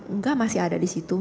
enggak masih ada di situ